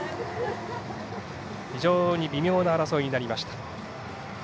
非常に微妙な争いになりました。